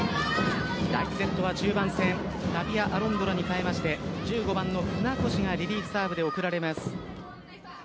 第１セットは中盤戦タピア・アロンドラに代えまして１５番の舟越がリリーフサーブで送られます。